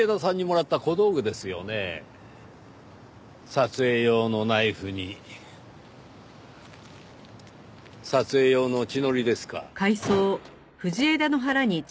撮影用のナイフに撮影用の血のりですか。